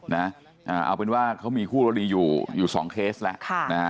เอาเป็นว่าเขามีคู่กรณีอยู่อยู่สองเคสแล้ว